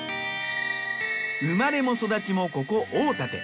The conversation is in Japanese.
生まれも育ちもここ大立。